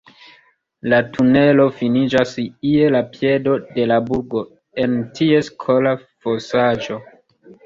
La tunelo finiĝas je la piedo de la burgo, en ties kola fosaĵo.